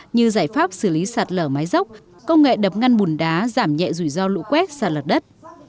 như giải pháp xử lý sạt lở mái dốc công nghệ đập ngăn bùn đá giảm nhẹ rủi ro lũ quét sạt lở đất